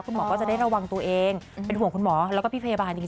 หมอก็จะได้ระวังตัวเองเป็นห่วงคุณหมอแล้วก็พี่พยาบาลจริง